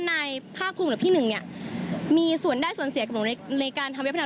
นายภาคภูมิหรือพี่หนึ่งเนี่ยมีส่วนได้ส่วนเสียกับหนูในการทำเว็บพนัน